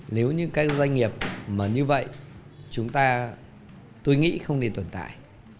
nếu như các doanh nghiệp mà như vậy chúng ta tôi nghĩ không nên tồn tại